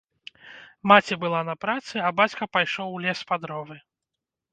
Маці была на працы, а бацька пайшоў ў лес па дровы.